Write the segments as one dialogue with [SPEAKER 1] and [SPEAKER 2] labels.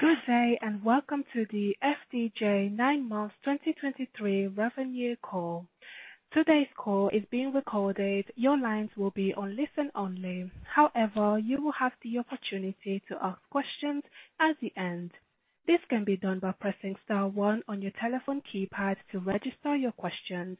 [SPEAKER 1] Good day, and welcome to the FDJ 9 months 2023 revenue call. Today's call is being recorded. Your lines will be on listen only. However, you will have the opportunity to ask questions at the end. This can be done by pressing star one on your telephone keypad to register your questions.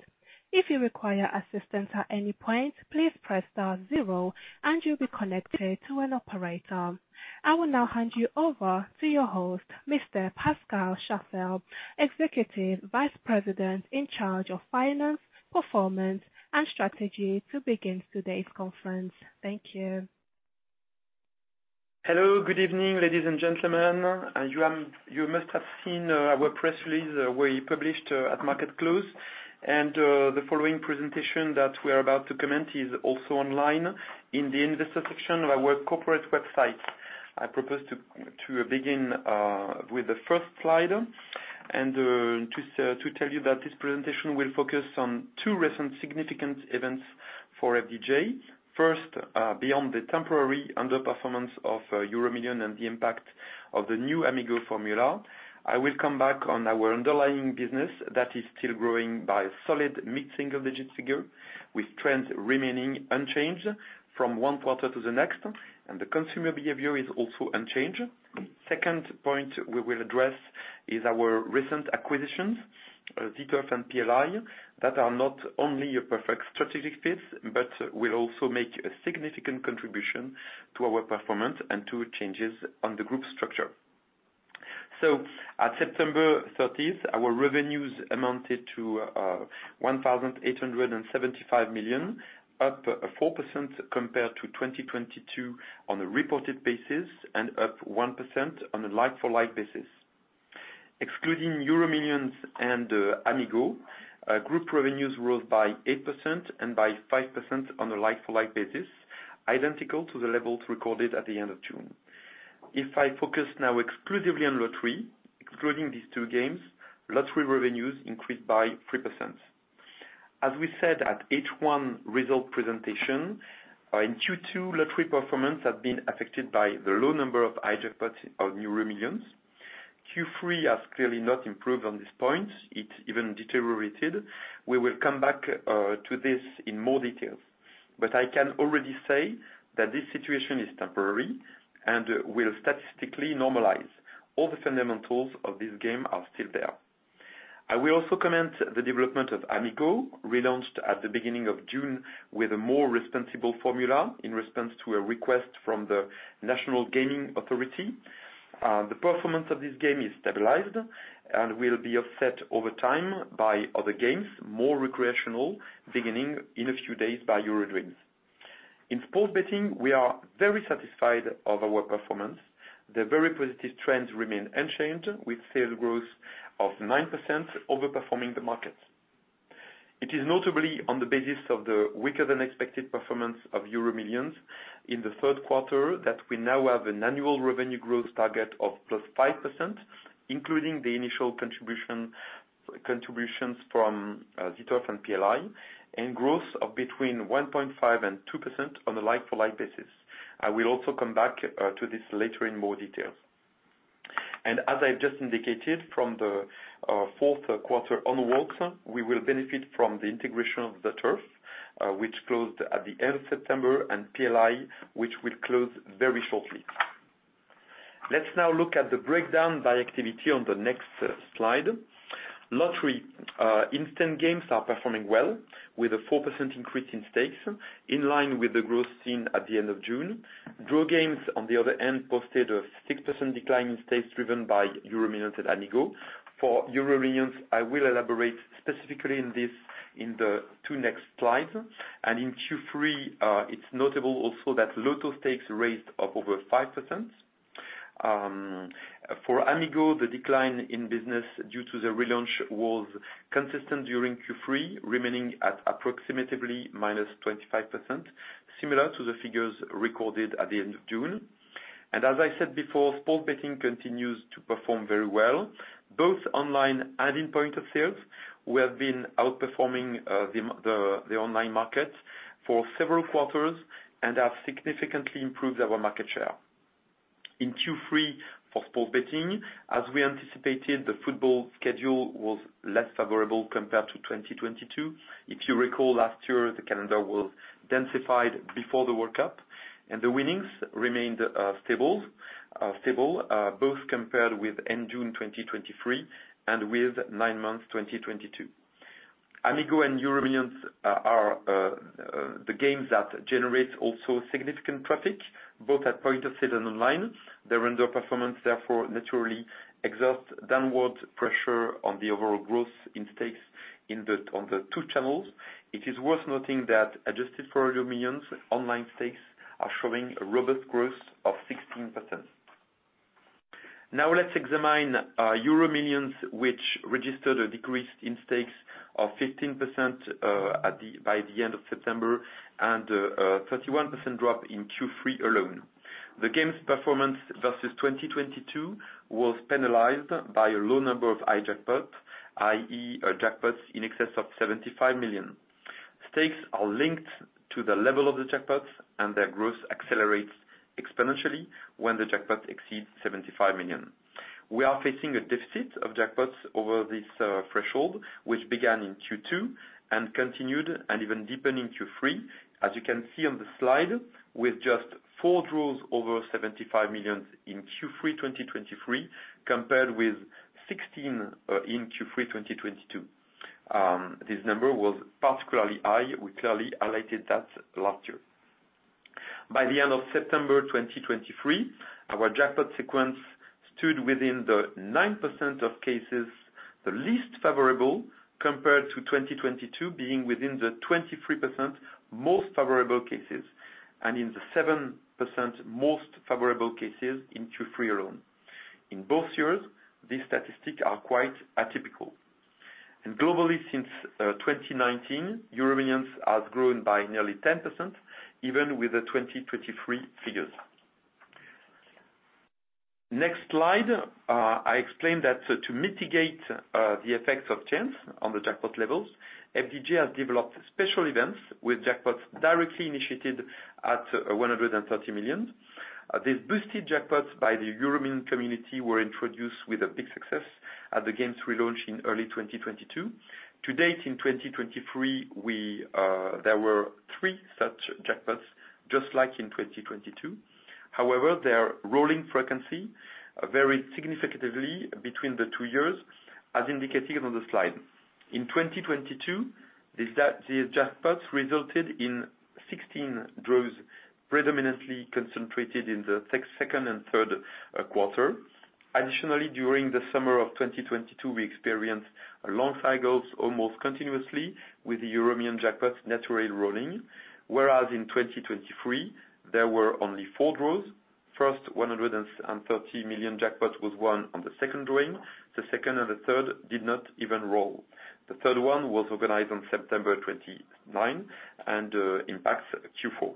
[SPEAKER 1] If you require assistance at any point, please press star zero, and you'll be connected to an operator. I will now hand you over to your host, Mr. Pascal Chaffard, Executive Vice President in charge of Finance, Performance, and Strategy, to begin today's conference. Thank you.
[SPEAKER 2] Hello, good evening, ladies and gentlemen. You must have seen our press release we published at market close, and the following presentation that we are about to comment is also online in the investor section of our corporate website. I propose to begin with the first slide and to tell you that this presentation will focus on two recent significant events for FDJ. First, beyond the temporary underperformance of Euromillions and the impact of the new Amigo formula, I will come back on our underlying business that is still growing by a solid mid-single-digit figure, with trends remaining unchanged from one quarter to the next, and the consumer behavior is also unchanged. Second point we will address is our recent acquisitions, ZEturf and PLI, that are not only a perfect strategic fit, but will also make a significant contribution to our performance and to changes on the group structure. So at September 30, our revenues amounted to 1,875 million, up 4% compared to 2022 on a reported basis, and up 1% on a like-for-like basis. Excluding Euromillions and Amigo, group revenues rose by 8% and by 5% on a like-for-like basis, identical to the levels recorded at the end of June. If I focus now exclusively on lottery, excluding these two games, lottery revenues increased by 3%. As we said at H1 result presentation, in Q2, lottery performance has been affected by the low number of high jackpots of Euromillions. Q3 has clearly not improved on this point. It even deteriorated. We will come back to this in more detail, but I can already say that this situation is temporary and will statistically normalize. All the fundamentals of this game are still there. I will also comment the development of Amigo, relaunched at the beginning of June with a more responsible formula in response to a request from the National Gaming Authority. The performance of this game is stabilized and will be offset over time by other games, more recreational, beginning in a few days by EuroDreams. In sports betting, we are very satisfied of our performance. The very positive trends remain unchanged, with sales growth of 9% overperforming the market. It is notably on the basis of the weaker-than-expected performance of Euromillions in the third quarter, that we now have an annual revenue growth target of +5%, including the initial contribution, contributions from ZEturf and PLI, and growth of between 1.5% and 2% on a like-for-like basis. I will also come back to this later in more detail. And as I've just indicated from the fourth quarter onwards, we will benefit from the integration of ZEturf which closed at the end of September, and PLI, which will close very shortly. Let's now look at the breakdown by activity on the next slide. Lottery instant games are performing well, with a 4% increase in stakes, in line with the growth seen at the end of June. Draw games, on the other hand, posted a 6% decline in stakes, driven by Euromillions and Amigo. For Euromillions, I will elaborate specifically in this, in the two next slides. In Q3, it's notable also that Loto stakes raised up over 5%. For Amigo, the decline in business due to the relaunch was consistent during Q3, remaining at approximately -25%, similar to the figures recorded at the end of June. As I said before, sports betting continues to perform very well, both online and in points of sale. We have been outperforming the online market for several quarters and have significantly improved our market share. In Q3 for sports betting, as we anticipated, the football schedule was less favorable compared to 2022. If you recall, last year, the calendar was densified before the World Cup, and the winnings remained stable, stable, both compared with end June 2023 and with nine months 2022. Amigo and Euromillions are the games that generate also significant traffic, both at point of sale and online. Their underperformance, therefore, naturally exerts downward pressure on the overall growth in stakes in the on the two channels. It is worth noting that adjusted for Euromillions, online stakes are showing a robust growth of 16%. Now let's examine Euromillions, which registered a decrease in stakes of 15%, at the, by the end of September, and a 31% drop in Q3 alone. The game's performance versus 2022 was penalized by a low number of high jackpots, i.e., jackpots in excess of 75 million. Stakes are linked to the level of the jackpots, and their growth accelerates exponentially when the jackpot exceeds 75 million. We are facing a deficit of jackpots over this threshold, which began in Q2 and continued and even deepened in Q3. As you can see on the slide, with just four draws over 75 million in Q3 2023, compared with 16 in Q3 2022. This number was particularly high. We clearly highlighted that last year. By the end of September 2023, our jackpot sequence stood within the 9% of cases, the least favorable compared to 2022, being within the 23% most favorable cases, and in the 7% most favorable cases in Q3 alone. In both years, these statistics are quite atypical, and globally, since 2019, Euromillions has grown by nearly 10%, even with the 2023 figures. Next slide. I explained that to mitigate the effects of chance on the jackpot levels, FDJ has developed special events with jackpots directly initiated at 130 million. These boosted jackpots by the Euromillions community were introduced with big success at the games relaunch in early 2022. To date, in 2023, we there were three such jackpots, just like in 2022. However, their rolling frequency varied significantly between the two years, as indicated on the slide. In 2022, these jackpots resulted in 16 draws, predominantly concentrated in the second and third quarter. Additionally, during the summer of 2022, we experienced long cycles almost continuously with the Euromillions jackpot naturally rolling, whereas in 2023, there were only four draws. First, 130 million jackpot was won on the second drawing. The second and the third did not even roll. The third one was organized on September 29 and impacts Q4.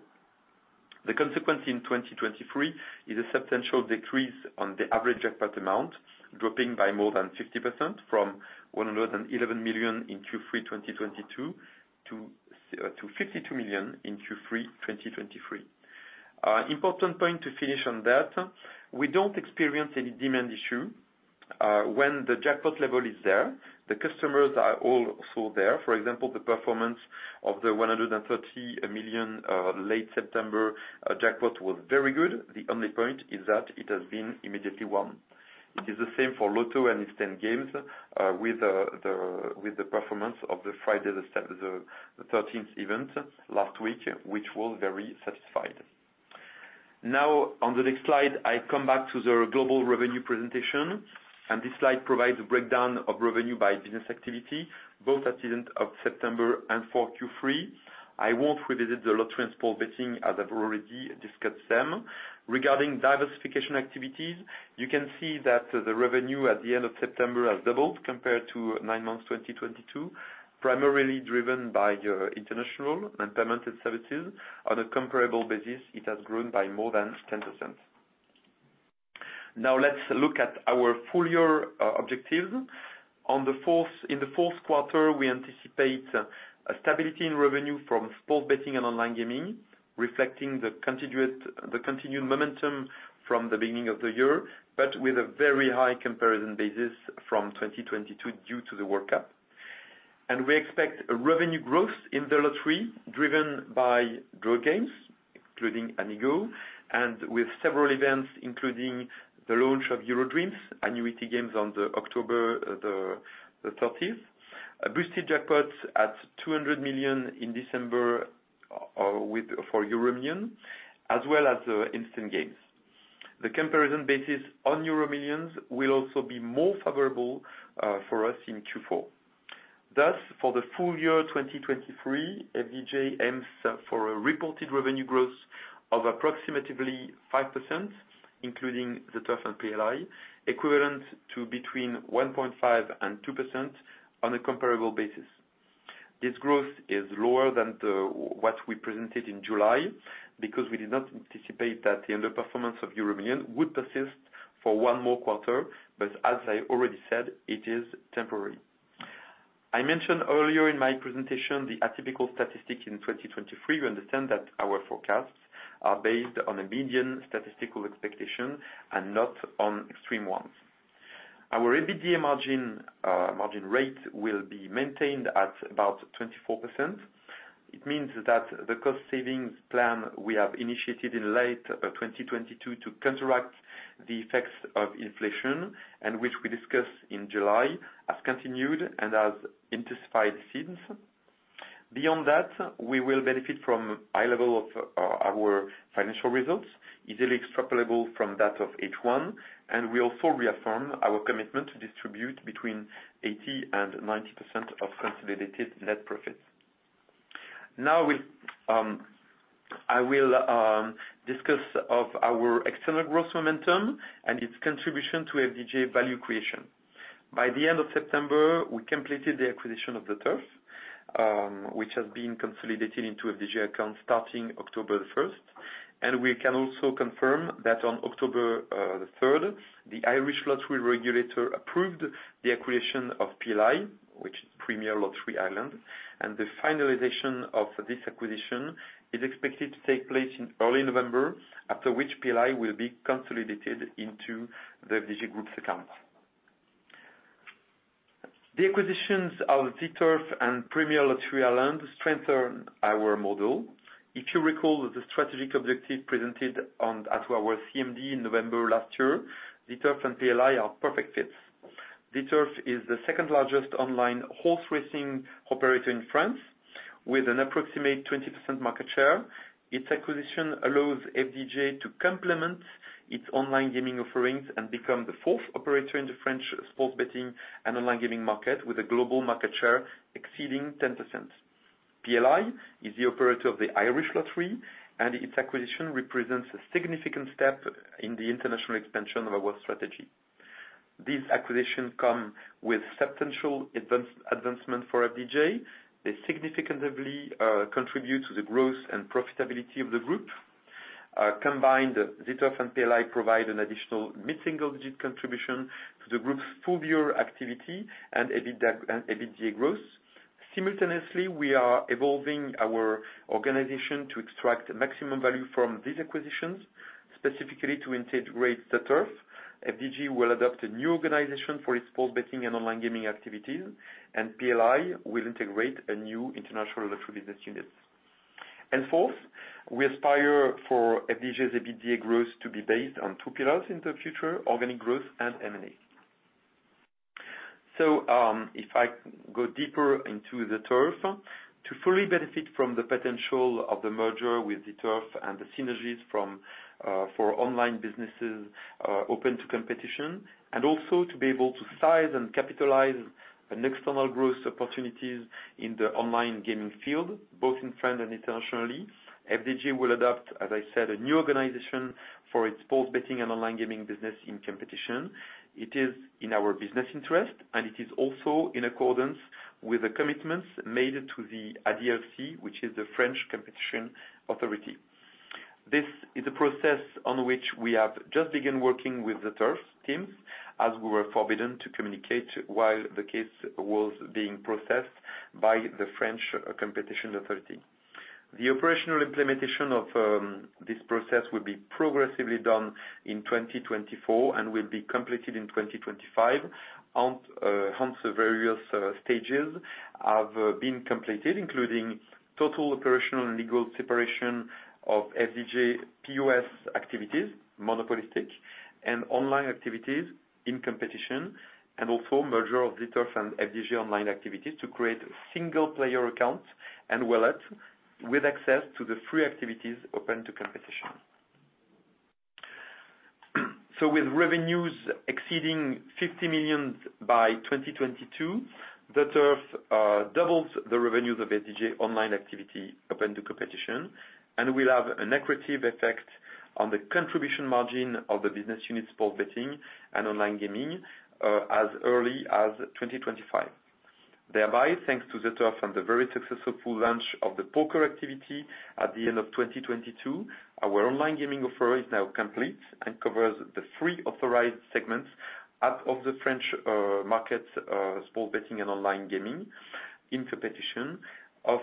[SPEAKER 2] The consequence in 2023 is a substantial decrease on the average jackpot amount, dropping by more than 50% from 111 million in Q3 2022 to 52 million in Q3 2023. Important point to finish on that, we don't experience any demand issue. When the jackpot level is there, the customers are also there. For example, the performance of the 130 million late September jackpot was very good. The only point is that it has been immediately won. It is the same for Loto and instant games with the performance of the Friday the 13th event last week, which was very satisfied. Now, on the next slide, I come back to the global revenue presentation, and this slide provides a breakdown of revenue by business activity, both at the end of September and for Q3. I won't revisit the lotteries sports betting, as I've already discussed them. Regarding diversification activities, you can see that the revenue at the end of September has doubled compared to nine months 2022, primarily driven by your international and payment services. On a comparable basis, it has grown by more than 10%. Now, let's look at our full year objectives. In the fourth quarter, we anticipate a stability in revenue from sports betting and online gaming, reflecting the continued momentum from the beginning of the year, but with a very high comparison basis from 2022 due to the World Cup. We expect a revenue growth in the lottery, driven by draw games, including Amigo, and with several events, including the launch of EuroDreams Annuity Games on October 30. A boosted jackpot at 200 million in December, with, for Euromillions, as well as the instant games. The comparison basis on Euromillions will also be more favorable, for us in Q4. Thus, for the full year, 2023, FDJ aims for a reported revenue growth of approximately 5%, including ZEturf and PLI, equivalent to between 1.5% and 2% on a comparable basis. This growth is lower than what we presented in July, because we did not anticipate that the underperformance of Euromillions would persist for one more quarter. But as I already said, it is temporary. I mentioned earlier in my presentation the atypical statistics in 2023. We understand that our forecasts are based on a median statistical expectation and not on extreme ones. Our EBITDA margin rate will be maintained at about 24%. It means that the cost savings plan we have initiated in late 2022 to counteract the effects of inflation, and which we discussed in July, has continued and has intensified since. Beyond that, we will benefit from high level of our financial results, easily extrapolatable from that of H1, and we also reaffirm our commitment to distribute between 80% and 90% of consolidated net profits. Now, I will discuss of our external growth momentum and its contribution to FDJ value creation. By the end of September, we completed the acquisition of ZEturf, which has been consolidated into FDJ accounts starting October 1. We can also confirm that on October the third, the Irish Lottery regulator approved the acquisition of PLI, which is Premier Lotteries Ireland, and the finalization of this acquisition is expected to take place in early November, after which PLI will be consolidated into the FDJ group's account. The acquisitions of ZEturf and Premier Lotteries Ireland strengthen our model. If you recall the strategic objective presented at our CMD in November last year, ZEturf and PLI are perfect fits. ZEturf is the second-largest online horse racing operator in France, with an approximate 20% market share. Its acquisition allows FDJ to complement its online gaming offerings and become the fourth operator in the French sports betting and online gaming market, with a global market share exceeding 10%. PLI is the operator of the Irish Lottery, and its acquisition represents a significant step in the international expansion of our strategy. These acquisitions come with substantial advancement for FDJ. They significantly contribute to the growth and profitability of the group. Combined, ZEturf and PLI provide an additional mid-single-digit contribution to the group's full year activity and EBITDA and EBITDA growth. Simultaneously, we are evolving our organization to extract maximum value from these acquisitions, specifically to integrate ZEturf. FDJ will adopt a new organization for its sports betting and online gaming activities, and PLI will integrate a new international lottery business unit. And fourth, we aspire for FDJ's EBITDA growth to be based on two pillars in the future, organic growth and M&A. So, if I go deeper into the ZEturf, to fully benefit from the potential of the merger with ZEturf and the synergies from for online businesses open to competition, and also to be able to size and capitalize on external growth opportunities in the online gaming field, both in France and internationally. FDJ will adopt, as I said, a new organization for its sports betting and online gaming business in competition. It is in our business interest, and it is also in accordance with the commitments made to the ADLC, which is the French Competition Authority. This is a process on which we have just begun working with the ZEturf teams, as we were forbidden to communicate while the case was being processed by the French Competition Authority. The operational implementation of this process will be progressively done in 2024 and will be completed in 2025. Hence various stages have been completed, including total operational and legal separation of FDJ POS activities, monopolistic, and online activities in competition. And also merger of ZEturf and FDJ online activities to create single player accounts and wallet with access to the three activities open to competition. So with revenues exceeding 50 million by 2022, ZEturf doubles the revenues of FDJ online activity open to competition, and will have an equity effect on the contribution margin of the business unit sports betting and online gaming, as early as 2025. Thereby, thanks to ZEturf and the very successful full launch of the poker activity at the end of 2022, our online gaming offer is now complete and covers the three authorized segments out of the French market, sports betting and online gaming in competition, of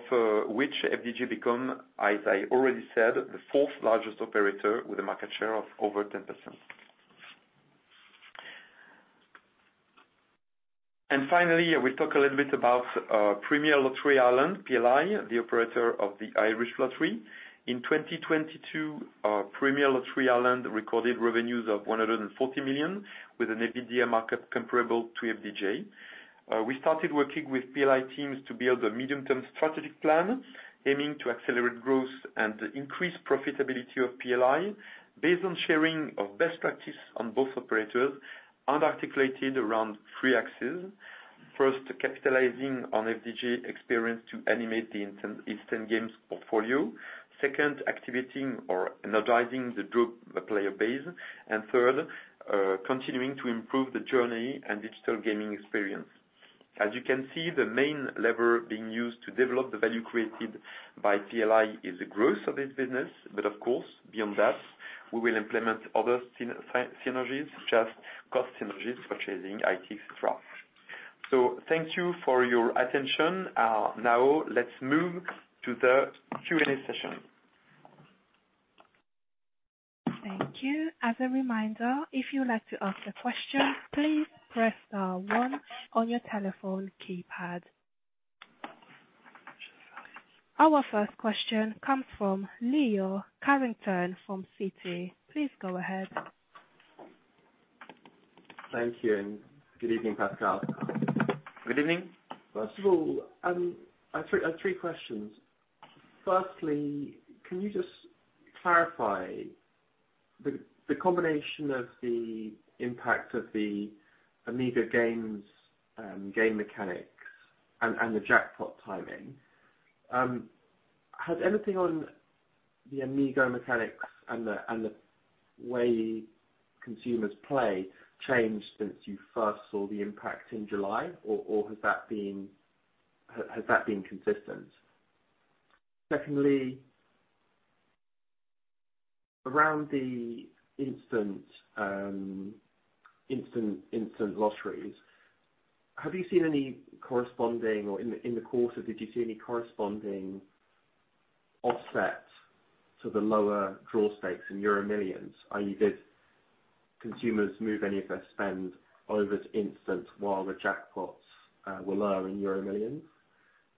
[SPEAKER 2] which FDJ become, as I already said, the fourth largest operator with a market share of over 10%. And finally, we talk a little bit about Premier Lotteries Ireland, PLI, the operator of the Irish Lottery. In 2022, Premier Lotteries Ireland recorded revenues of 140 million, with an EBITDA market comparable to FDJ. We started working with PLI teams to build a medium-term strategic plan, aiming to accelerate growth and increase profitability of PLI, based on sharing of best practice on both operators and articulated around three axes. First, capitalizing on FDJ experience to animate the instant games portfolio. Second, activating or energizing the group, the player base. Third, continuing to improve the journey and digital gaming experience. As you can see, the main lever being used to develop the value created by PLI is the growth of this business. But of course, beyond that, we will implement other synergies, such as cost synergies, purchasing IT structure. So thank you for your attention. Now let's move to the Q&A session.
[SPEAKER 1] Thank you. As a reminder, if you'd like to ask a question, please press star one on your telephone keypad. Our first question comes from Leo Carrington from Citi. Please go ahead.
[SPEAKER 3] Thank you, and good evening, Pascal.
[SPEAKER 2] Good evening.
[SPEAKER 3] First of all, I have three questions. Firstly, can you just clarify the combination of the impact of the Amigo games, game mechanics and the jackpot timing? Has anything on the Amigo mechanics and the way consumers play changed since you first saw the impact in July, or has that been consistent? Secondly, around the instant lotteries, have you seen any corresponding, or in the course of, did you see any corresponding offset to the lower draw stakes in Euromillions? I.e., did consumers move any of their spend over to instant while the jackpots were lower in Euromillions?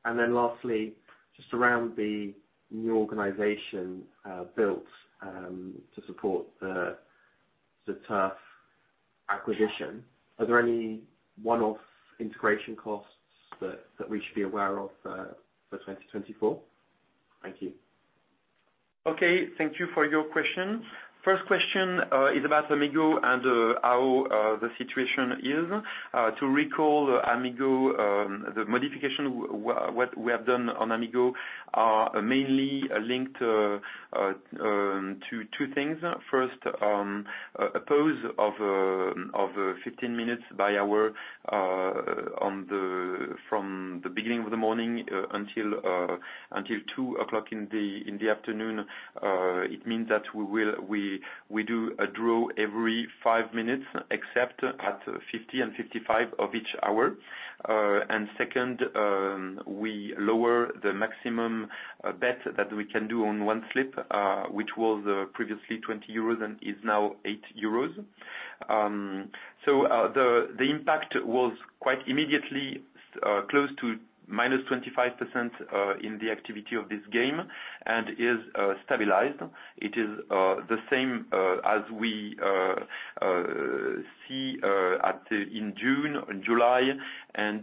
[SPEAKER 3] And then lastly, just around the new organization built to support ZEturf acquisition, are there any one-off integration costs that we should be aware of for 2024? Thank you.
[SPEAKER 2] Okay. Thank you for your question. First question is about Amigo and how the situation is. To recall Amigo, the modification what we have done on Amigo are mainly linked to two things. First, a pause of fifteen minutes by hour, on the from the beginning of the morning until until two o'clock in the afternoon. It means that we will we, we do a draw every five minutes, except at 50 and 55 of each hour. And second, we lower the maximum bet that we can do on one slip, which was previously 20 euros and is now 8 euros. So, the impact was quite immediately close to -25% in the activity of this game, and is stabilized. It is the same as we see in June, in July, and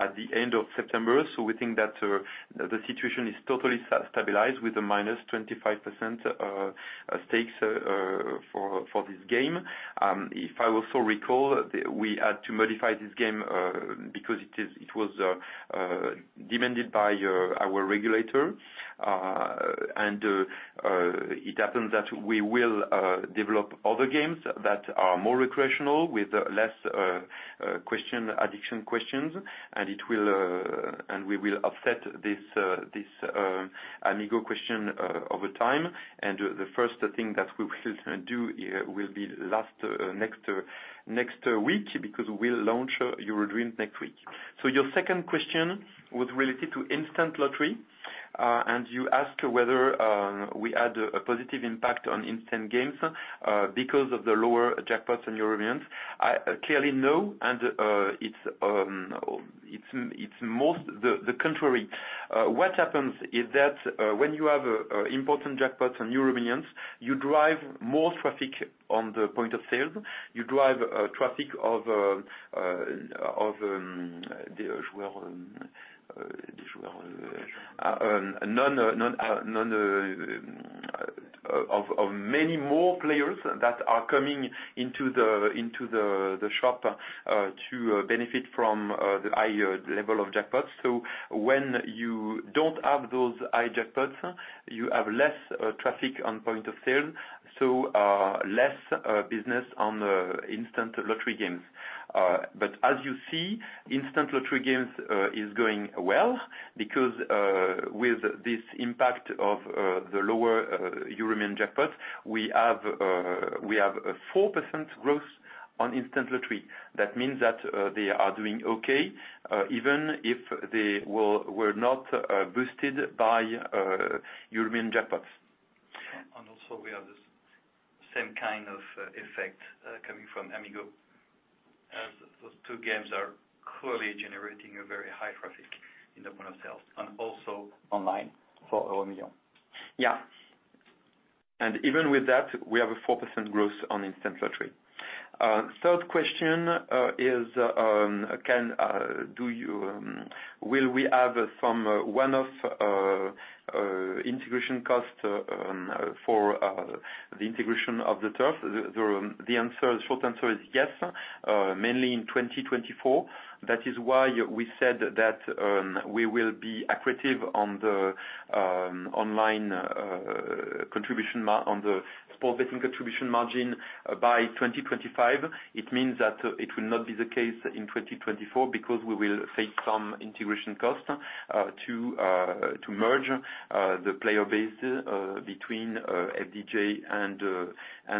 [SPEAKER 2] at the end of September. So we think that the situation is totally stabilized with a minus 25% stakes for this game. If I also recall, we had to modify this game because it was demanded by our regulator. And it happens that we will develop other games that are more recreational with less question addiction questions. And we will offset this Amigo question over time. And the first thing that we will do will be next week, because we'll launch EuroDreams next week. So your second question was related to instant lottery, and you asked whether we had a positive impact on instant games because of the lower jackpots on Euromillions. Clearly, no, and it's mostly the contrary. What happens is that when you have important jackpots on Euromillions, you drive more traffic on the point of sale. You drive traffic of many more players that are coming into the shop to benefit from the high level of jackpots. So when you don't have those high jackpots, you have less traffic on point of sale, so less business on the instant lottery games. But as you see, instant lottery games is going well, because with this impact of the lower Euromillions jackpot, we have a 4% growth on instant lottery. That means that they are doing okay even if they were not boosted by Euromillions jackpots. Also we have the same kind of effect coming from Amigo, as those two games are clearly generating a very high traffic in the point of sale, and also online for Euromillions. Yeah. And even with that, we have a 4% growth on instant lottery. Third question is, can, do you, will we have some one-off integration cost for the integration of ZEturf? The answer, short answer is yes, mainly in 2024. That is why we said that we will be accretive on the online contribution mar- on the sports betting contribution margin by 2025. It means that it will not be the case in 2024, because we will face some integration costs to merge the player base between FDJ and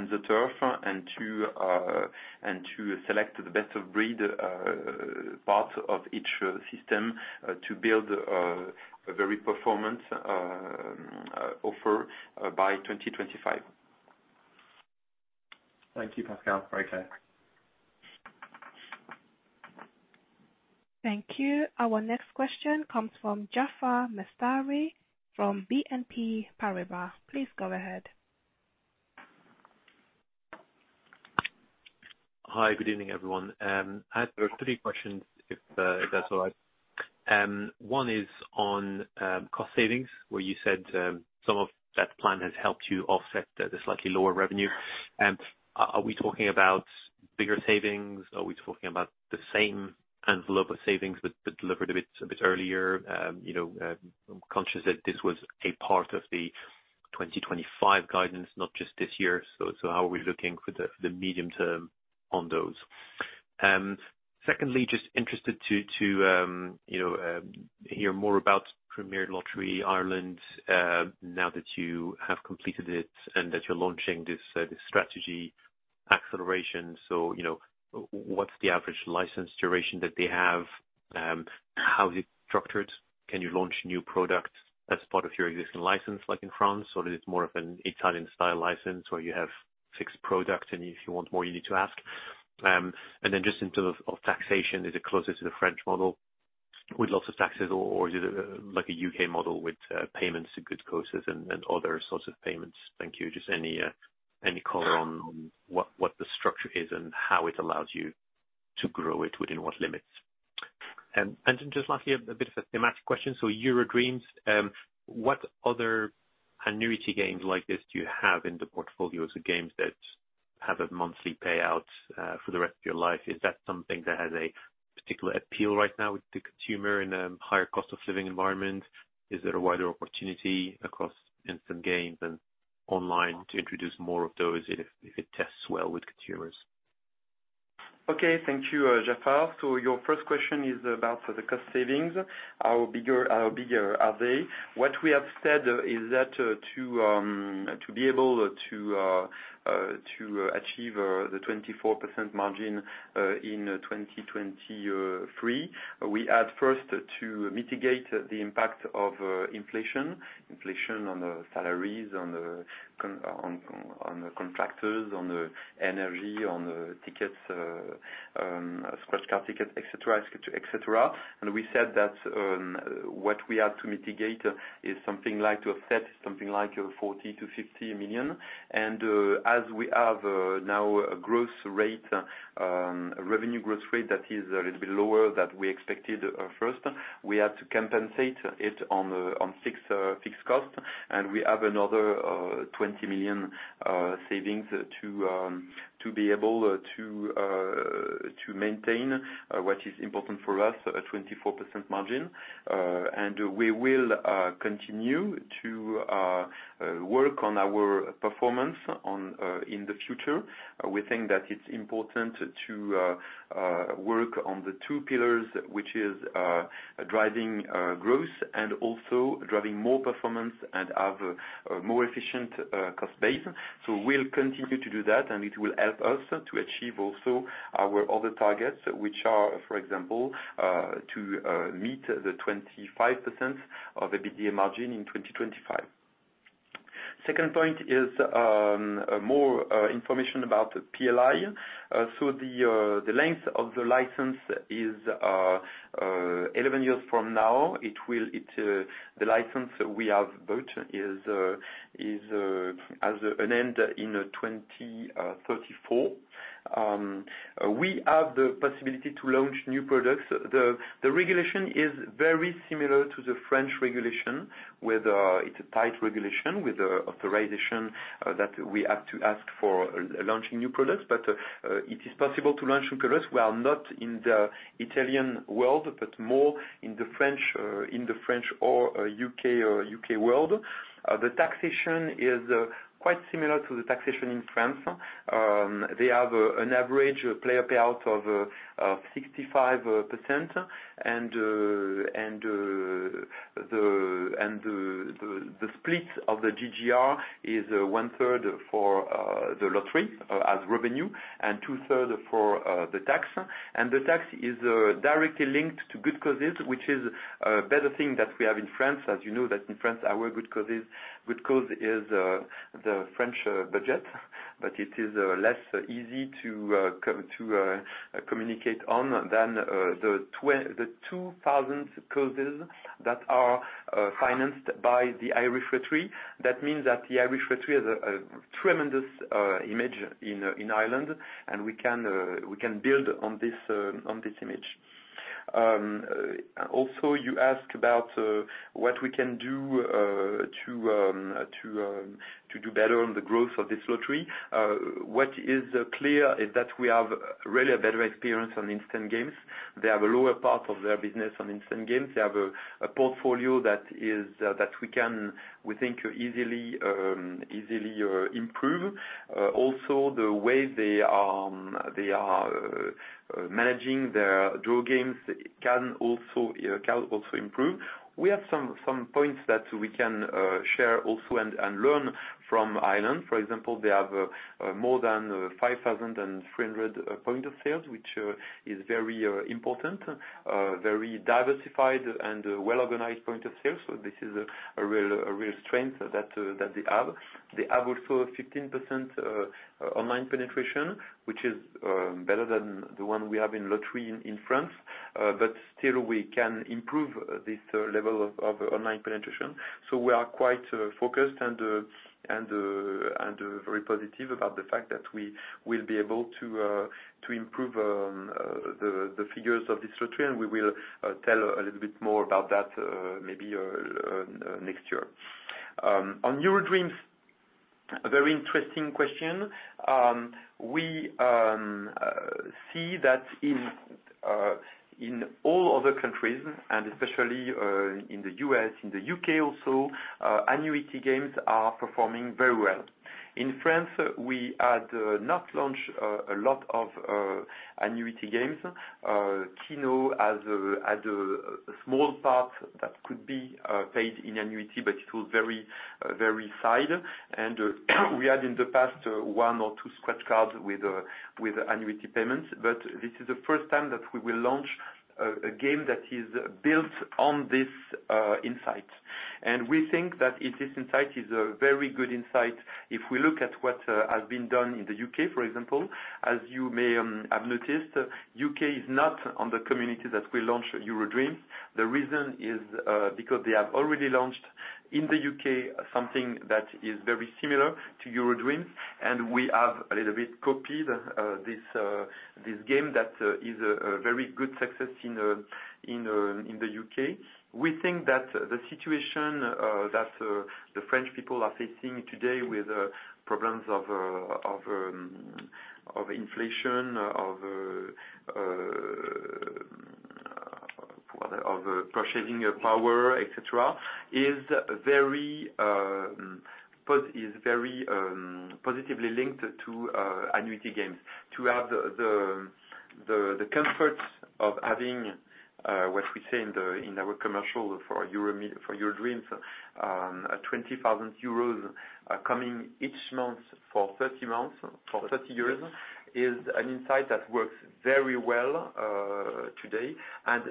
[SPEAKER 2] ZEturf, and to select the best of breed part of each system to build a very performance offer by 2025.
[SPEAKER 3] Thank you, Pascal. Very clear.
[SPEAKER 1] Thank you. Our next question comes from Jaafar Mastari from BNP Paribas. Please go ahead.
[SPEAKER 4] Hi, good evening, everyone. I have three questions, if that's all right. One is on cost savings, where you said some of that plan has helped you offset the slightly lower revenue. Are we talking about bigger savings? Are we talking about the same envelope of savings, but delivered a bit earlier? You know, I'm conscious that this was a part of the 2025 guidance, not just this year. So, how are we looking for the medium term on those? Secondly, just interested to hear more about Premier Lotteries Ireland, now that you have completed it and that you're launching this strategy acceleration. So, you know, what's the average license duration that they have? How is it structured? Can you launch new products as part of your existing license, like in France, or is it more of an Italian-style license, where you have six products, and if you want more, you need to ask? And then just in terms of taxation, is it closer to the French model with lots of taxes or is it like a U.K. model with payments to good causes and other sorts of payments? Thank you. Just any color on what the structure is and how it allows you to grow it, within what limits? Just lastly, a bit of a thematic question. So EuroDreams, what other annuity games like this do you have in the portfolio of games that have a monthly payout for the rest of your life? Is that something that has a particular appeal right now with the consumer in a higher cost of living environment? Is there a wider opportunity across instant games and online to introduce more of those if it tests well with consumers?
[SPEAKER 2] Okay. Thank you, Jafar. So your first question is about the cost savings. How bigger, how bigger are they? What we have said is that, to be able to, to achieve, the 24% margin, in 2023, we add first to mitigate the impact of, inflation. Inflation on the salaries, on the contractors, on the energy, on the tickets, scratch card tickets, et cetera, et cetera. And we said that, what we have to mitigate is something like to offset, something like, 40 million-50 million. And, as we have, now a growth rate, a revenue growth rate that is a little bit lower than we expected, first, we have to compensate it on, on fixed, fixed cost. We have another 20 million savings to be able to maintain what is important for us, a 24% margin. We will continue to work on our performance in the future. We think that it's important to work on the two pillars, which is driving growth and also driving more performance and have a more efficient cost base. So we'll continue to do that, and it will help us to achieve also our other targets, which are, for example, to meet the 25% of EBITDA margin in 2025. Second point is more information about the PLI. So the length of the license is 11 years from now. It will, the license we have bought is, has an end in 2034. We have the possibility to launch new products. The regulation is very similar to the French regulation, with it's a tight regulation with an authorization that we have to ask for launching new products. But it is possible to launch new products. We are not in the Italian world, but more in the French, in the French or U.K. or U.K. world. The taxation is quite similar to the taxation in France. They have an average player payout of 65%. And the split of the GGR is one third for the lottery as revenue, and two third for the tax. The tax is directly linked to good causes, which is a better thing that we have in France. As you know, in France, our good cause is the French budget, but it is less easy to communicate on than the 2,000 causes that are financed by the Irish Lottery. That means that the Irish Lottery has a tremendous image in Ireland, and we can build on this image. Also, you ask about what we can do to do better on the growth of this lottery. What is clear is that we have really a better experience on instant games. They have a lower part of their business on instant games. They have a portfolio that we can, we think, easily improve. Also, the way they are managing their draw games can also improve. We have some points that we can share also and learn from Ireland. For example, they have more than 5,300 point of sales, which is very important, very diversified and well-organized point of sale. So this is a real strength that they have. They have also 15% online penetration, which is better than the one we have in lottery in France. But still, we can improve this level of online penetration. So we are quite focused and very positive about the fact that we will be able to improve the figures of this lottery, and we will tell a little bit more about that maybe next year. On EuroDreams. A very interesting question. We see that in all other countries, and especially in the U.S., in the U.K. also, annuity games are performing very well. In France, we had not launched a lot of annuity games. Keno has had a small part that could be paid in annuity, but it was very side. We had in the past one or two scratch cards with annuity payments, but this is the first time that we will launch a game that is built on this insight. We think that this insight is a very good insight. If we look at what has been done in the U.K., for example, as you may have noticed, U.K. is not on the community that we launch EuroDreams. The reason is because they have already launched in the U.K. something that is very similar to EuroDreams, and we have a little bit copied this game that is a very good success in the U.K. We think that the situation that the French people are facing today with problems of inflation of purchasing power, et cetera, is very positively linked to annuity games. To have the comfort of having what we say in our commercial for EuroDreams, 20,000 euros coming each month for 30 months, for 30 years, is an insight that works very well today, and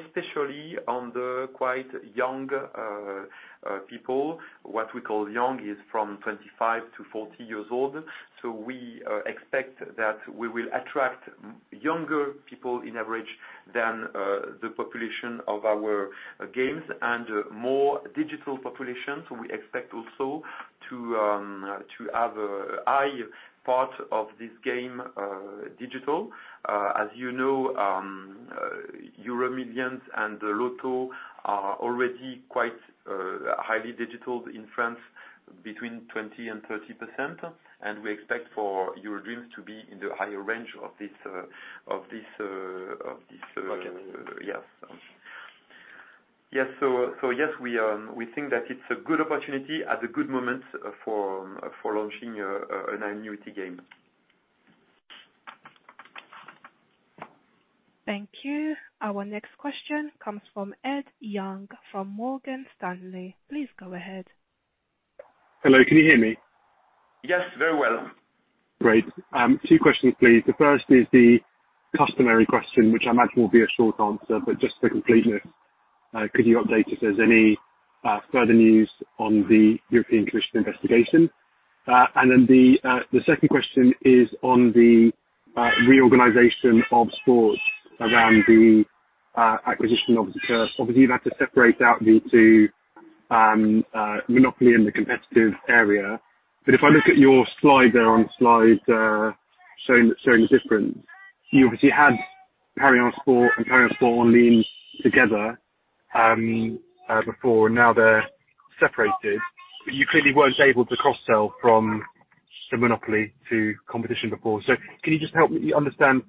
[SPEAKER 2] especially on the quite young people. What we call young is from 25 to 40 years old. So we expect that we will attract younger people in average than the population of our games and more digital population. So we expect also to have a high part of this game digital. As you know, Euromillions and the Loto are already quite highly digital in France, between 20% and 30%. And we expect for EuroDreams to be in the higher range of this market. So yes, we think that it's a good opportunity at a good moment for launching an annuity game.
[SPEAKER 1] Thank you. Our next question comes from Ed Young, from Morgan Stanley. Please go ahead.
[SPEAKER 5] Hello, can you hear me?
[SPEAKER 2] Yes, very well.
[SPEAKER 5] Great. Two questions, please. The first is the customary question, which I imagine will be a short answer, but just for completeness, could you update if there's any further news on the European Commission investigation? And then the second question is on the reorganization of sports around the acquisition of ZEturf. Obviously, you've had to separate out the two, monopoly in the competitive area. But if I look at your slide there on slide showing the difference, you obviously had ParionsSport and ParionsSport Online together before, and now they're separated, but you clearly weren't able to cross-sell from the monopoly to competition before. So can you just help me understand,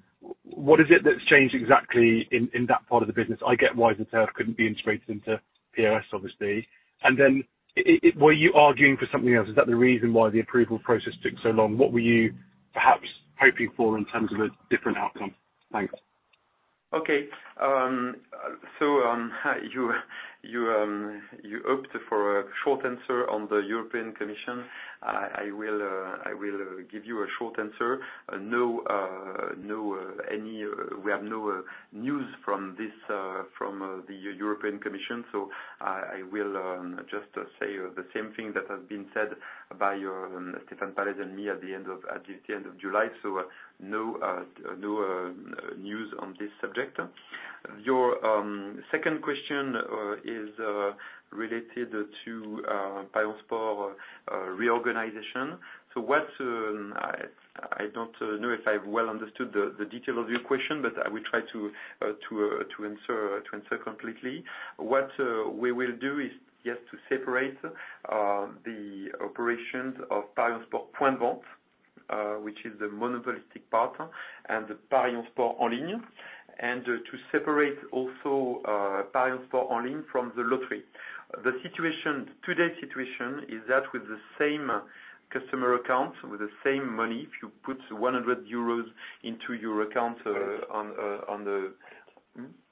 [SPEAKER 5] what is it that's changed exactly in that part of the business? I get why ZEturf couldn't be integrated into ParionsSport, obviously. And then were you arguing for something else? Is that the reason why the approval process took so long? What were you perhaps hoping for in terms of a different outcome? Thanks.
[SPEAKER 2] Okay. So, you hoped for a short answer on the European Commission. I will give you a short answer. No—we have no news from this, from the European Commission, so I will just say the same thing that has been said by your Stéphane Pallez and me at the end of July. So no news on this subject. Your second question is related to ParionsSport reorganization. So, I don't know if I've well understood the detail of your question, but I will try to answer completely. What we will do is yes to separate the operations of ParionsSport point of sale, which is the monopolistic part, and the ParionsSport online, and to separate also ParionsSport online from the lottery. The situation, today's situation is that with the same customer account, with the same money, if you put 100 euros into your account on-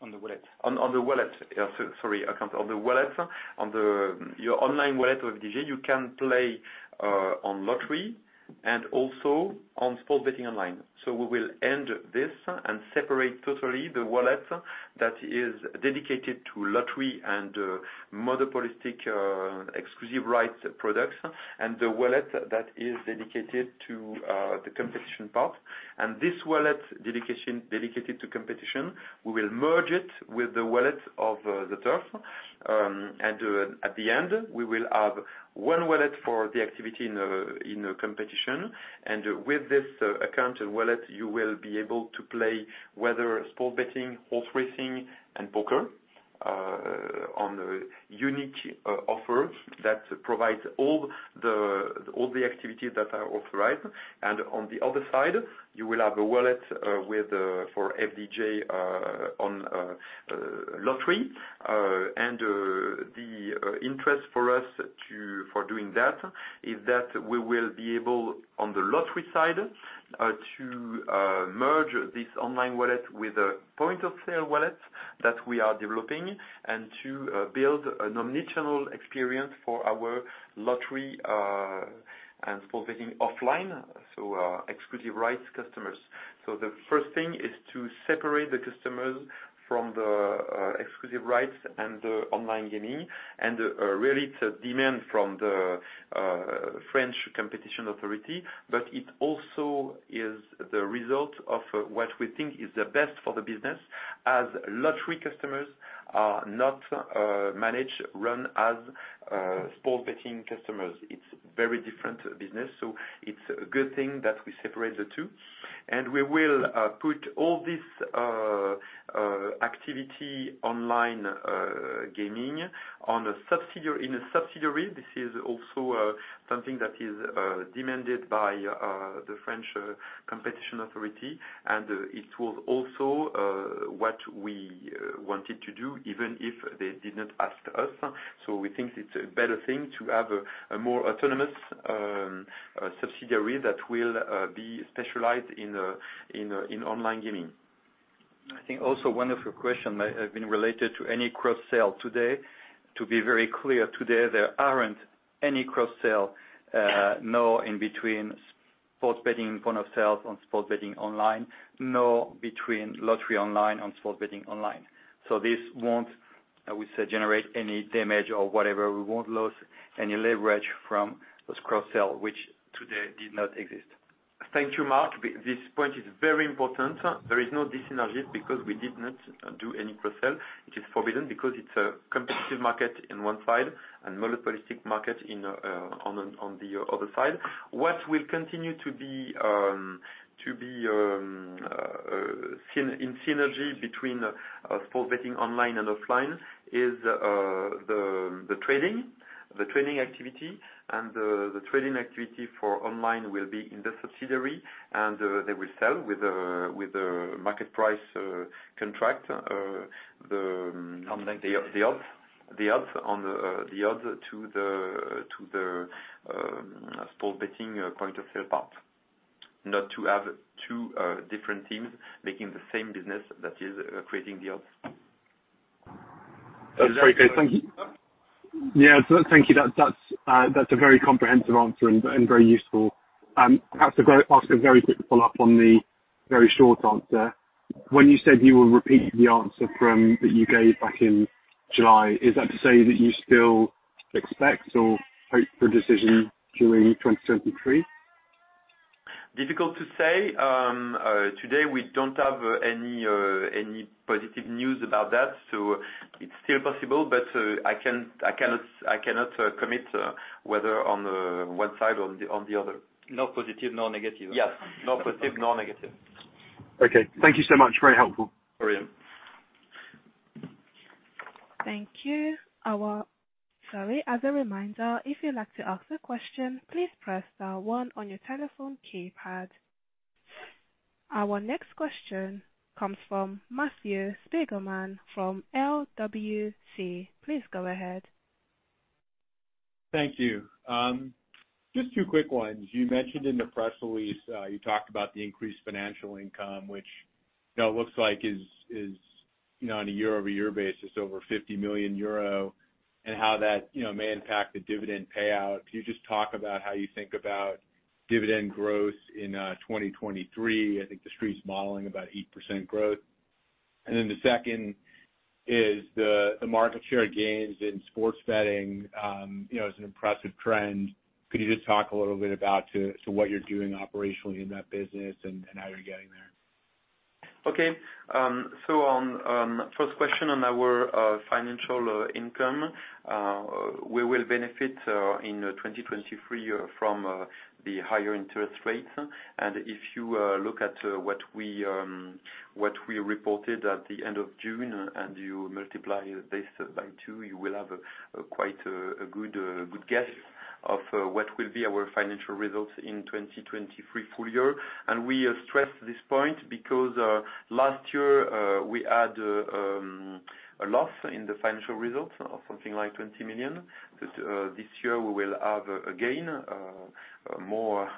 [SPEAKER 6] On the wallet.
[SPEAKER 2] On the wallet. Yeah, so sorry, account on the wallet. On your online wallet of FDJ, you can play on lottery and also on sports betting online. So we will end this and separate totally the wallet that is dedicated to lottery and monopolistic exclusive rights products, and the wallet that is dedicated to the competition part. And this wallet dedicated to competition, we will merge it with the wallet of ZEturf. And at the end, we will have one wallet for the activity in a competition. And with this account and wallet, you will be able to play whether sports betting, horse racing, and poker on a unique offer that provides all the activities that are authorized. And on the other side, you will have a wallet with for FDJ on lottery. The interest for us for doing that is that we will be able on the lottery side to merge this online wallet with a point-of-sale wallet that we are developing, and to build an omnichannel experience for our lottery and sports betting offline, so our exclusive rights customers. So the first thing is to separate the customers from the exclusive rights and the online gaming, and really to demand from the French Competition Authority. But it also is the result of what we think is the best for the business, as lottery customers are not managed run as sports betting customers. It's very different business, so it's a good thing that we separate the two. We will put all this activity online gaming in a subsidiary. This is also something that is demanded by the French Competition Authority. It was also what we wanted to do, even if they did not ask us. We think it's a better thing to have a more autonomous subsidiary that will be specialized in online gaming. I think also one of your questions may have been related to any cross sale today. To be very clear, today, there aren't any cross sale, no, between sports betting point of sales and sports betting online, nor between lottery online and sports betting online. This won't, I would say, generate any damage or whatever. We won't lose any leverage from this cross sale, which today did not exist. Thank you, Marc. But this point is very important. There is no dis-synergy because we did not do any cross sale. It is forbidden because it's a competitive market on one side and monopolistic market on the other side. What will continue to be in synergy between sports betting online and offline is the trading activity, and the trading activity for online will be in the subsidiary. And they will sell with a market price contract the odds to the sports betting point of sale part. Not to have two, different teams making the same business that is creating the odds.
[SPEAKER 5] That's very good. Thank you. Yeah, so thank you. That's a very comprehensive answer and very useful. Perhaps ask a very quick follow-up on the very short answer. When you said you will repeat the answer from that you gave back in July, is that to say that you still expect or hope for a decision during 2023?
[SPEAKER 2] Difficult to say. Today, we don't have any positive news about that, so it's still possible, but I cannot commit whether on one side or the other. No positive, no negative. Yes. No positive, no negative.
[SPEAKER 5] Okay. Thank you so much. Very helpful.
[SPEAKER 1] Thank you. Sorry, as a reminder, if you'd like to ask a question, please press star one on your telephone keypad. Our next question comes from Matthew Spiegelman from LWC. Please go ahead.
[SPEAKER 7] Thank you. Just two quick ones. You mentioned in the press release, you talked about the increased financial income, which now looks like is, you know, on a year-over-year basis, over 50 million euro, and how that, you know, may impact the dividend payout. Can you just talk about how you think about dividend growth in 2023? I think the street's modeling about 8% growth. And then the second is the market share gains in sports betting, you know, is an impressive trend. Could you just talk a little bit about what you're doing operationally in that business and how you're getting there?
[SPEAKER 2] Okay. So, on first question on our financial income, we will benefit in 2023 from the higher interest rates. And if you look at what we reported at the end of June, and you multiply this by two, you will have a quite good guess of what will be our financial results in 2023 full year. And we stress this point because last year we had a loss in the financial results of something like 20 million. But this year we will have a gain, more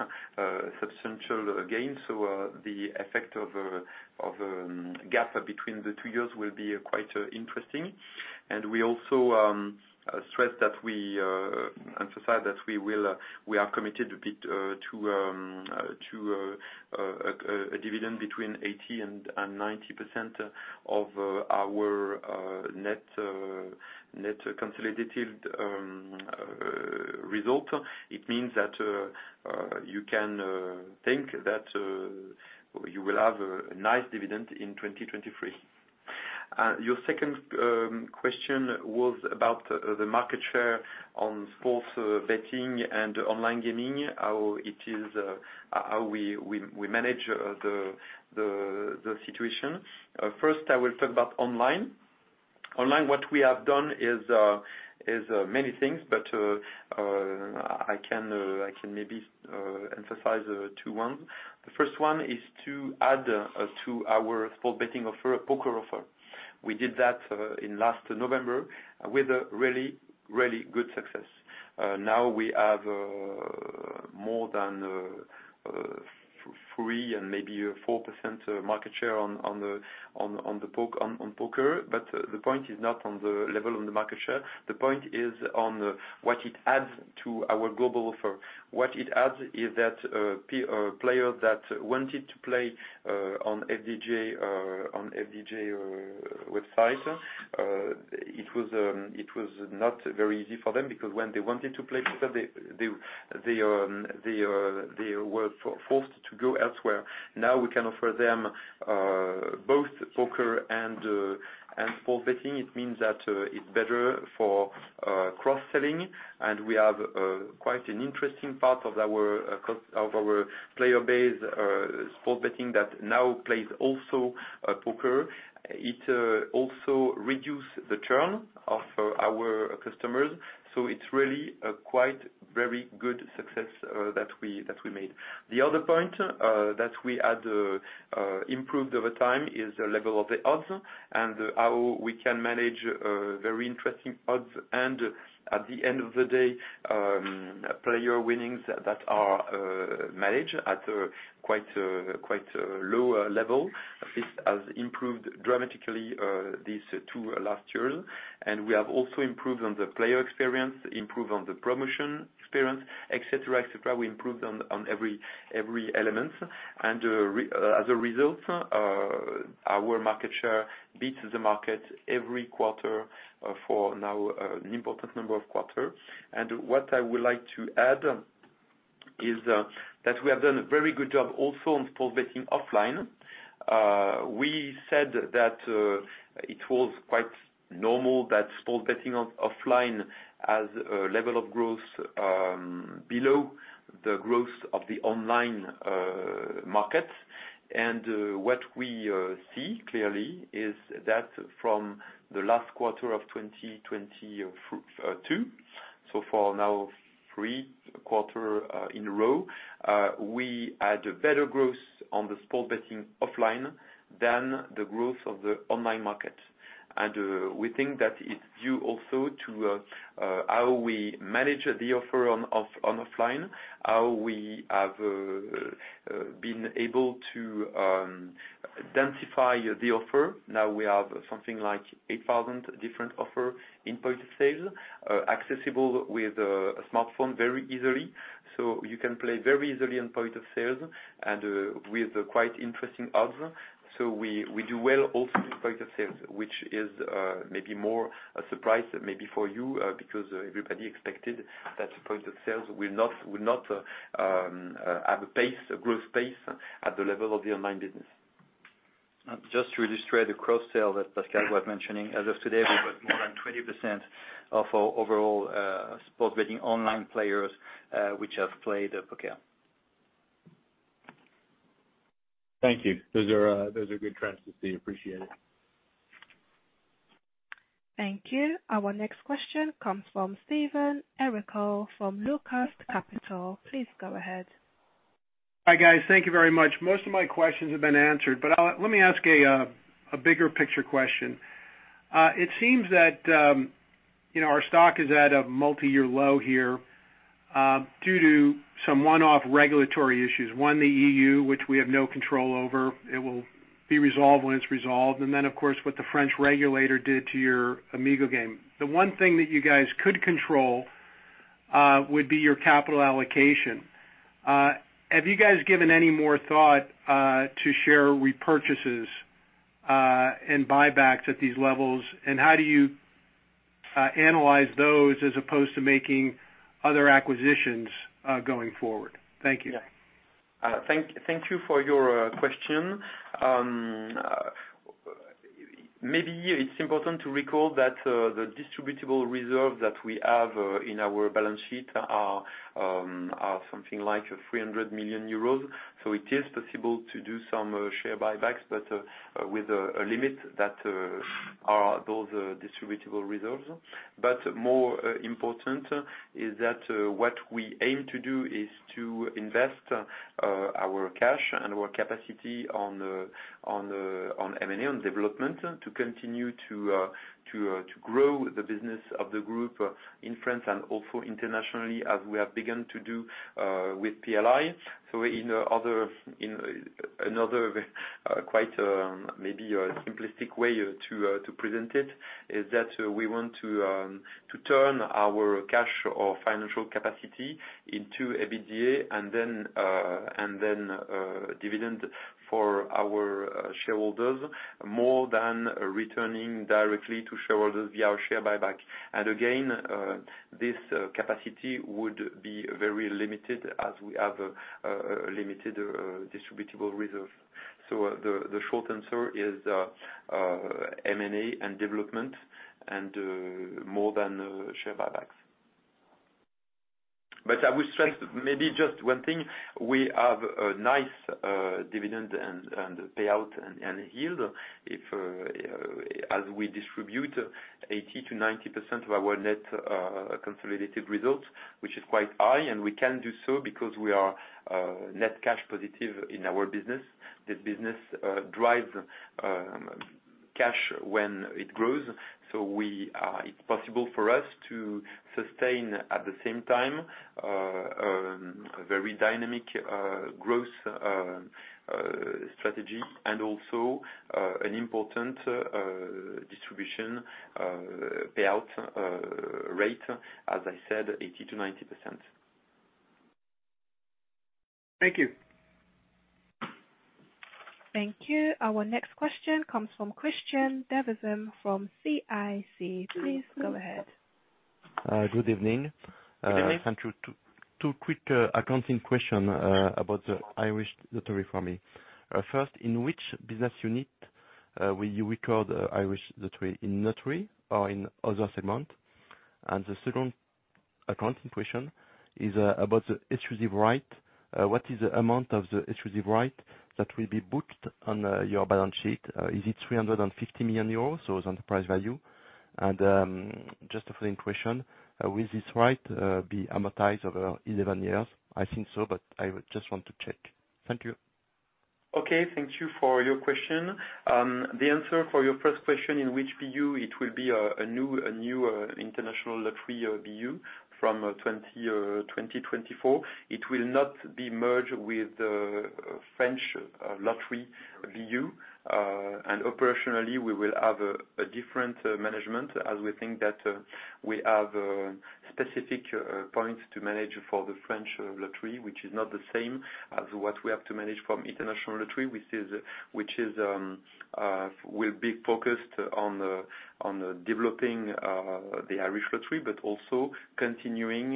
[SPEAKER 2] substantial gain. So, the effect of the gap between the two years will be quite interesting. We also stress that we emphasize that we are committed to a dividend between 80% and 90% of our net consolidated result. It means that you can think that you will have a nice dividend in 2023. Your second question was about the market share on sports betting and online gaming, how it is, how we manage the situation. First, I will talk about online. Online, what we have done is many things, but I can maybe emphasize two ones. The first one is to add to our sports betting offer, a poker offer. We did that in last November with a really, really good success. Now we have more than 3% and maybe 4% market share on the poker. But the point is not on the level on the market share. The point is on what it adds to our global offer. What it adds is that players that wanted to play on FDJ website, it was not very easy for them because when they wanted to play poker, they were forced to go elsewhere. Now, we can offer them both poker and sports betting. It means that it's better for cross-selling, and we have quite an interesting part of our player base, sports betting, that now plays also poker. It also reduce the churn of our customers, so it's really a quite very good success that we made. The other point that we had improved over time is the level of the odds and how we can manage very interesting odds. And at the end of the day, player winnings that are managed at a quite quite low level. This has improved dramatically these two last years. And we have also improved on the player experience, improved on the promotion experience, et cetera, et cetera. We improved on every element. As a result, our market share beats the market every quarter, for now, an important number of quarters. What I would like to add is that we have done a very good job also on sport betting offline. We said that it was quite normal that sport betting offline has a level of growth below the growth of the online market. What we see clearly is that from the last quarter of 2020, from 2022, so for now, three quarters in a row, we had a better growth on the sport betting offline than the growth of the online market. We think that it's due also to how we manage the offer on, of, on offline, how we have been able to densify the offer. Now, we have something like 8,000 different offer in point of sale, accessible with a smartphone very easily. So you can play very easily on point of sales and with quite interesting odds. So we do well also with point of sales, which is maybe more a surprise maybe for you, because everybody expected that point of sales will not have a pace, a growth pace at the level of the online business.
[SPEAKER 6] Just to illustrate the cross sale that Pascal was mentioning. As of today, we've got more than 20% of our overall sports betting online players which have played poker.
[SPEAKER 4] Thank you. Those are, those are good trends to see. Appreciate it.
[SPEAKER 1] Thank you. Our next question comes from Steven Errico from Locust Wood Capital. Please go ahead.
[SPEAKER 8] Hi, guys. Thank you very much. Most of my questions have been answered, but let me ask a bigger picture question. It seems that, you know, our stock is at a multi-year low here, due to some one-off regulatory issues. One, the E.U., which we have no control over, it will be resolved when it's resolved, and then, of course, what the French regulator did to your Amigo game. The one thing that you guys could control would be your capital allocation. Have you guys given any more thought to share repurchases and buybacks at these levels? And how do you analyze those as opposed to making other acquisitions going forward? Thank you.
[SPEAKER 2] Yeah. Thank, thank you for your question. Maybe it's important to recall that the distributable reserves that we have in our balance sheet are something like 300 million euros. So it is possible to do some share buybacks, but with a limit that are those distributable reserves. But more important is that what we aim to do is to invest our cash and our capacity on M&A on development, to continue to grow the business of the group in France and also internationally, as we have begun to do with PLI. So in another quite maybe a simplistic way to present it, is that we want to turn our cash or financial capacity into EBITDA, and then dividend for our shareholders, more than returning directly to shareholders via our share buyback. And again, this capacity would be very limited as we have limited distributable reserves. So the short answer is M&A and development and more than share buybacks. But I will stress maybe just one thing, we have a nice dividend and payout and yield. As we distribute 80%-90% of our net consolidated results, which is quite high, and we can do so because we are net cash positive in our business. This business drives cash when it grows, so we it's possible for us to sustain, at the same time, a very dynamic growth strategy, and also, an important distribution payout rate, as I said, 80%-90%.
[SPEAKER 8] Thank you.
[SPEAKER 1] Thank you. Our next question comes from Christian Devismes from CIC. Please go ahead.
[SPEAKER 9] Good evening.
[SPEAKER 2] Good evening.
[SPEAKER 9] Thank you. Two quick accounting question about the Irish Lottery for me. First, in which business unit will you record Irish Lottery, in lottery or in other segment? And the second accounting question is about the exclusive right. What is the amount of the exclusive right that will be booked on your balance sheet? Is it 350 million euros, so is enterprise value? And just a frame question, will this right be amortized over 11 years? I think so, but I just want to check. Thank you.
[SPEAKER 2] Okay, thank you for your question. The answer for your first question, in which BU it will be a new international lottery BU from 2024. It will not be merged with French lottery BU. And operationally, we will have a different management as we think that we have specific points to manage for the French lottery, which is not the same as what we have to manage from international lottery, which will be focused on developing the Irish lottery, but also continuing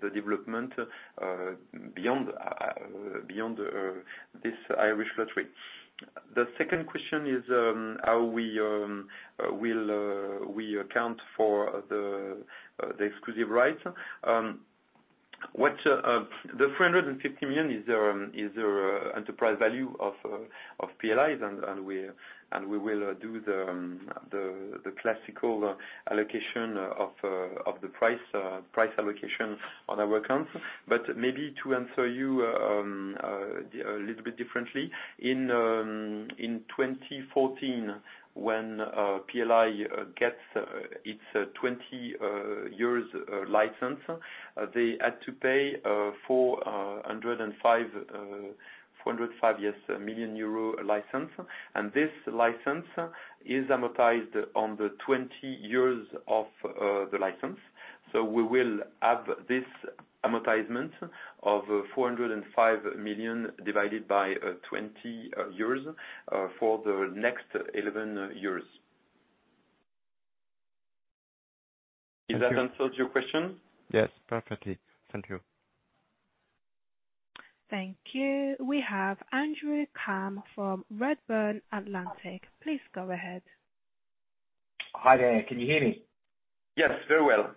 [SPEAKER 2] the development beyond this Irish lottery. The second question is, how we will account for the exclusive right. What the 350 million is enterprise value of PLI's, and we will do the classical allocation of the price price allocation on our accounts. But maybe to answer you a little bit differently. In 2014, when PLI gets its 20-year license, they had to pay 405 million, yes, euro license. And this license is amortized on the 20 years of the license. So we will have this amortization of 405 million divided by 20 years for the next 11 years.
[SPEAKER 9] Thank you.
[SPEAKER 2] Is that answered your question?
[SPEAKER 9] Yes, perfectly. Thank you.
[SPEAKER 1] Thank you. We have Andrew Tam from Redburn Atlantic. Please go ahead.
[SPEAKER 10] Hi there. Can you hear me?
[SPEAKER 2] Yes, very well.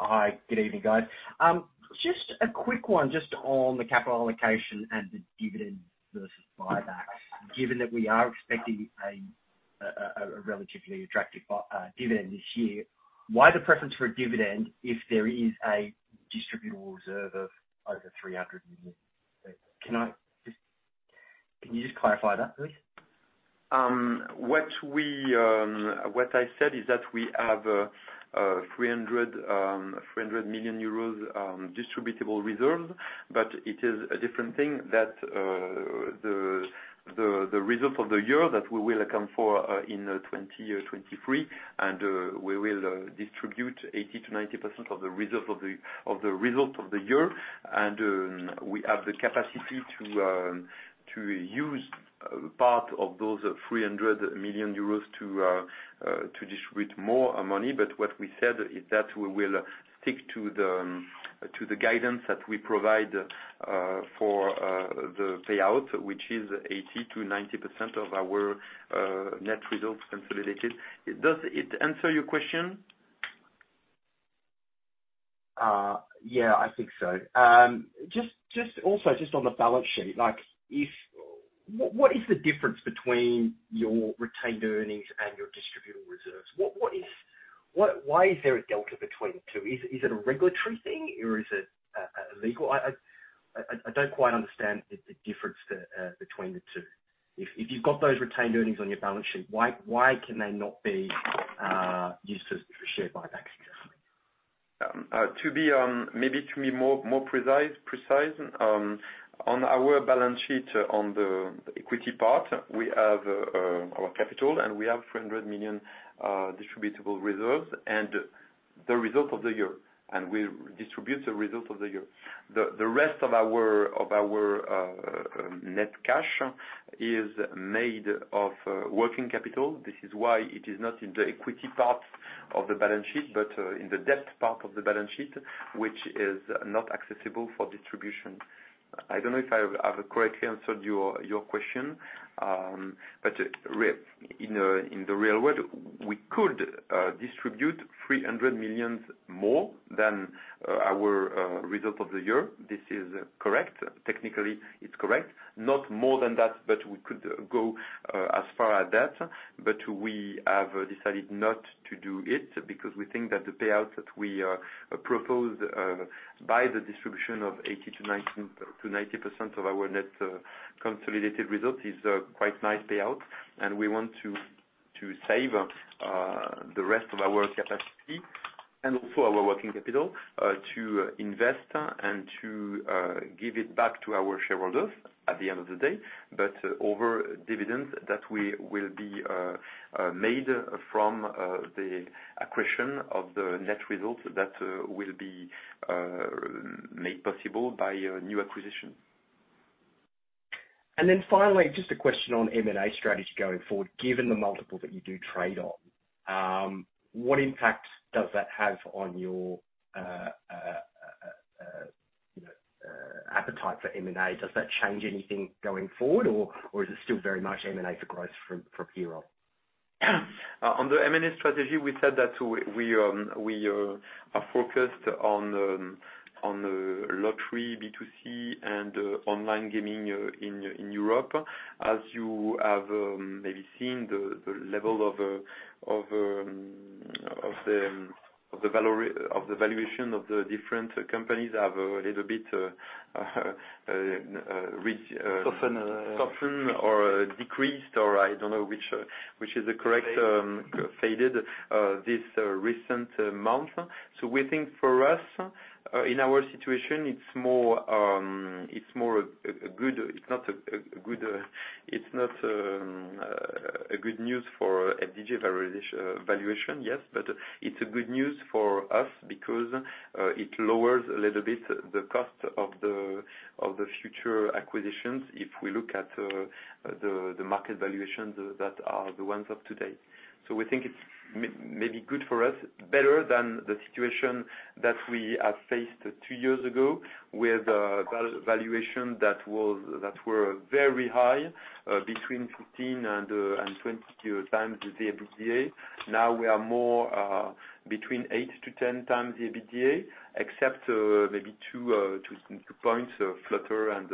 [SPEAKER 10] Hi, good evening, guys. Just a quick one, just on the capital allocation and the dividend versus buyback. Given that we are expecting a relatively attractive buyback dividend this year, why the preference for a dividend if there is a distributable reserve of over 300 million? Can you just clarify that, please?
[SPEAKER 2] What I said is that we have 300 million euros distributable reserve, but it is a different thing that the results of the year that we will account for in 2023, and we will distribute 80%-90% of the result of the year. And we have the capacity to use part of those 300 million euros to distribute more money. But what we said is that we will stick to the guidance that we provide for the payout, which is 80%-90% of our net results, consolidated. Does it answer your question?
[SPEAKER 10] Yeah, I think so. Just also on the balance sheet, like, if what is the difference between your retained earnings and your distributable reserves? What is. What why is there a delta between the two? Is it a regulatory thing or is it legal? I don't quite understand the difference between the two. If you've got those retained earnings on your balance sheet, why can they not be used as for share buybacks successfully?
[SPEAKER 2] To be more precise, on our balance sheet, on the equity part, we have our capital, and we have 300 million distributable reserves and the results of the year, and we distribute the results of the year. The rest of our net cash is made of working capital. This is why it is not in the equity part of the balance sheet, but in the debt part of the balance sheet, which is not accessible for distribution. I don't know if I have correctly answered your question, but in the real world, we could distribute 300 million more than our result of the year. This is correct. Technically, it's correct. Not more than that, but we could go as far as that, but we have decided not to do it, because we think that the payouts that we propose by the distribution of 80%-90% of our net consolidated result is a quite nice payout. And we want to save the rest of our capacity and also our working capital to invest and to give it back to our shareholders at the end of the day. But over dividends that we will be made from the acquisition of the net results that will be made possible by new acquisition.
[SPEAKER 10] Finally, just a question on M&A strategy going forward. Given the multiple that you do trade on, what impact does that have on your, you know, appetite for M&A? Does that change anything going forward, or is it still very much M&A for growth from here on?
[SPEAKER 2] On the M&A strategy, we said that we are focused on lottery B2C and online gaming in Europe. As you have maybe seen, the level of the valuation of the different companies have a little bit re-
[SPEAKER 6] Soften.
[SPEAKER 2] Soften or decreased, or I don't know which, which is the correct,
[SPEAKER 6] Faded.
[SPEAKER 2] It faded this recent month. So we think for us, in our situation, it's not a good news for FDJ valuation, yes, but it's a good news for us, because it lowers a little bit the cost of the future acquisitions, if we look at the market valuations that are the ones of today. So we think it's maybe good for us, better than the situation that we have faced two years ago, with a valuation that were very high, between 15-20x the EBITDA. Now we are more between 8-10x the EBITDA, except maybe two points, Flutter and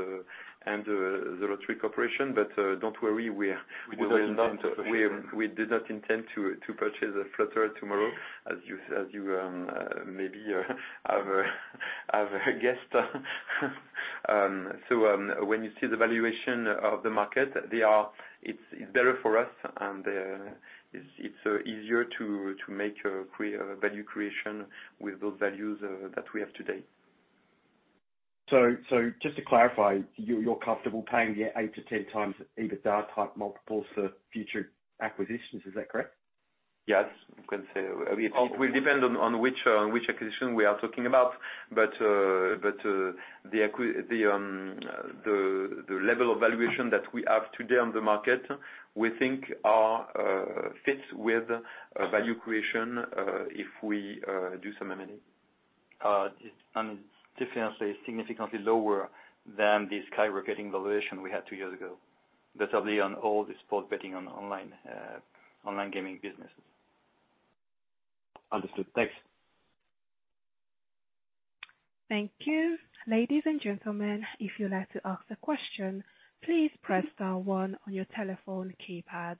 [SPEAKER 2] the Lottery Corporation. But, don't worry, we are.
[SPEAKER 6] We do not intend to.
[SPEAKER 2] We do not intend to purchase a Flutter tomorrow, as you maybe have guessed. So, when you see the valuation of the market, it's better for us, and it's easier to make value creation with those values that we have today.
[SPEAKER 10] So, just to clarify, you, you're comfortable paying the 8-10x EBITDA-type multiples for future acquisitions, is that correct?
[SPEAKER 2] Yes, you can say. It will depend on which acquisition we are talking about. But, the level of valuation that we have today on the market, we think are fits with value creation, if we do some M&A.
[SPEAKER 10] Definitely significantly lower than the skyrocketing valuation we had two years ago, certainly on all the sports betting on online, online gaming businesses. Understood. Thanks.
[SPEAKER 1] Thank you. Ladies and gentlemen, if you'd like to ask a question, please press star one on your telephone keypad.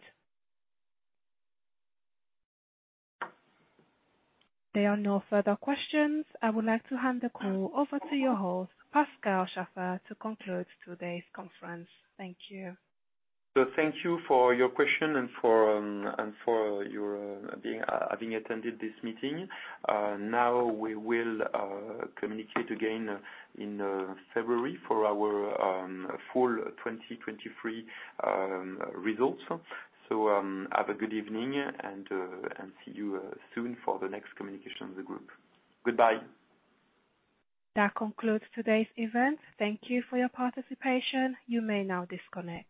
[SPEAKER 1] There are no further questions. I would like to hand the call over to your host, Pascal Chaffard, to conclude today's conference. Thank you.
[SPEAKER 2] So thank you for your question and for your having attended this meeting. Now, we will communicate again in February for our full 2023 results. So, have a good evening, and see you soon for the next communication of the group. Goodbye.
[SPEAKER 1] That concludes today's event. Thank you for your participation. You may now disconnect.